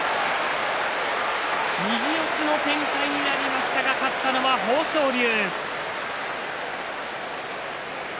右四つの展開になりましたが勝ったのは豊昇龍。